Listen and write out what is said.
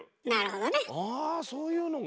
あそういうのが。